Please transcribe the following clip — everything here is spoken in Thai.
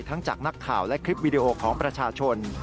จากนักข่าวและคลิปวิดีโอของประชาชน